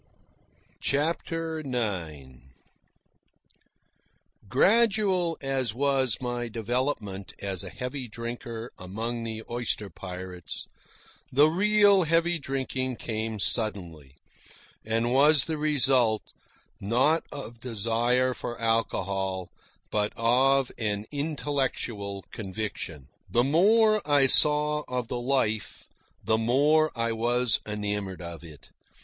CHAPTER IX Gradual as was my development as a heavy drinker among the oyster pirates, the real heavy drinking came suddenly, and was the result, not of desire for alcohol, but of an intellectual conviction. The more I saw of the life, the more I was enamoured of it.